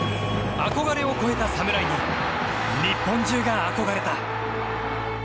憧れを超えた侍に日本中が憧れた。